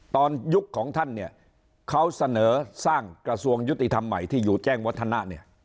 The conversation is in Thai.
ตอนยุคของท่านเขาเสนอสร้างกระทรวงยุติธรรมใหม่ที่อยู่แจ้งวัฒนะ